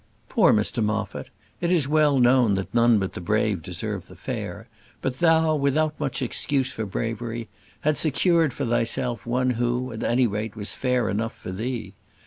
Poor Mr Moffat! It is well known that none but the brave deserve the fair; but thou, without much excuse for bravery, had secured for thyself one who, at any rate, was fair enough for thee.